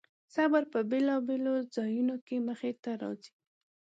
صبر په بېلابېلو ځایونو کې مخې ته راځي.